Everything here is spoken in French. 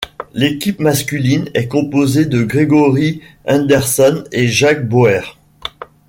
L'équipe masculine est composée de Gregory Henderson et Jack Bauer.